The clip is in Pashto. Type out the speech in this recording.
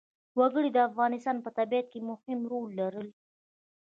وګړي د افغانستان په طبیعت کې مهم رول لري.